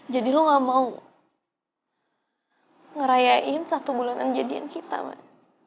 jadi lo gak mau ngerayain satu bulanan jadian kita man